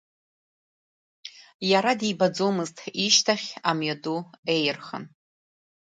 Иара дибаӡомызт, ишьҭахь амҩаду еирхан.